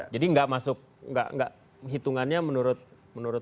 jadi nggak masuk nggak hitungannya menurut